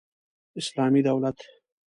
اسلامي دولت